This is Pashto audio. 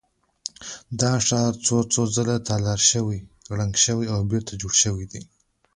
دا ښار څو څو ځله تالا شوی، ړنګ شوی او بېرته جوړ شوی دی.